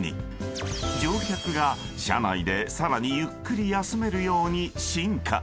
［乗客が車内でさらにゆっくり休めるように進化］